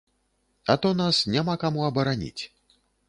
А то нас няма каму абараніць.